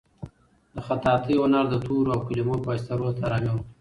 د خطاطۍ هنر د تورو او کلیمو په واسطه روح ته ارامي ورکوي.